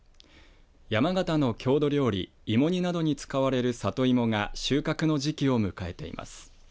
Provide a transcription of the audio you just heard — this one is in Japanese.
山形の郷土料理芋煮などに使われる里芋が収穫の時期を迎えています。